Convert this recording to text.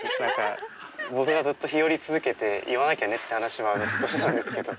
僕がずっとひより続けて言わなきゃねって話はしてたんですけど。